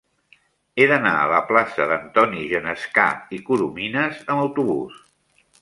He d'anar a la plaça d'Antoni Genescà i Corominas amb autobús.